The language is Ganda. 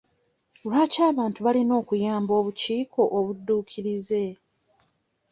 Lwaki abantu balina okuyamba obukiiko obudduukirize?